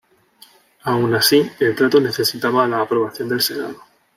Aun así, el trato necesitaba la aprobación del senado.